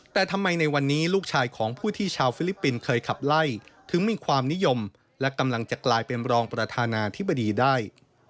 แต่ทำไมในวันนี้ลูกชายของผู้ที่ชาวฟิลิปปินส์เคยขับไล่ถึงมีความนิยมและกำลังจะกลายเป็นรองประธานาธิบดีได้